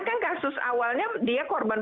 kan kasus awalnya dia korban